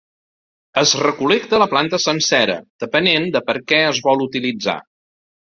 Es recol·lecta la planta sencera, depenent de per què es vol utilitzar.